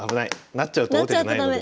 成っちゃうと王手じゃないので。